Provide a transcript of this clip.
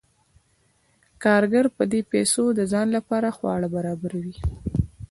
کارګر په دې پیسو د ځان لپاره خواړه برابروي